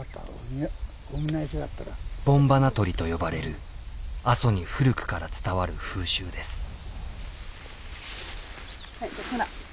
盆花とりと呼ばれる阿蘇に古くから伝わる風習です。